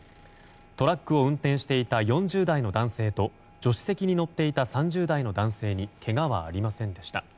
トラックを運転していた４０代の男性と助手席に乗っていた３０代の男性にけがはありませんでした。